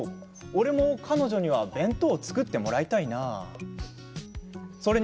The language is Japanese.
俺も彼女には弁当作ってもらいたいな。